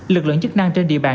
lực lượng chức năng trên địa bàn